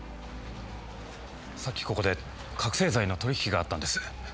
さっきここで覚せい剤の取引があったんです。